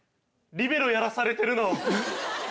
リベロやらされてるの。